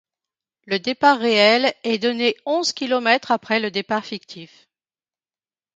Le départ réél est donnée onze kilomètres après le départ fictif.